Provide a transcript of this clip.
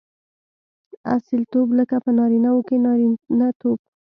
اصیلتوب؛ لکه په نارينه وو کښي نارينه توب.